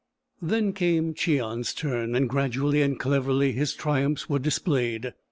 Then came Cheon's turn, and gradually and cleverly his triumphs were displayed.